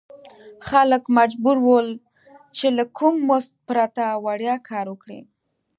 خلک مجبور ول چې له کوم مزد پرته وړیا کار وکړي.